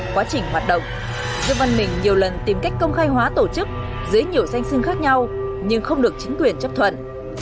quá trình hoạt động dương văn mình nhiều lần tìm cách công khai hóa tổ chức dưới nhiều danh sưng khác nhau nhưng không được chính quyền chấp thuận